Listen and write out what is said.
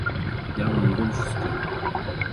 Я вам больш скажу.